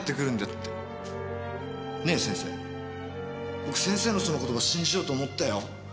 僕先生のその言葉信じようと思ったよ。